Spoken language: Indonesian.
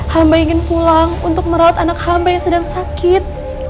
hamba ingin pulang untuk merawat anak hamba yang sedang sakit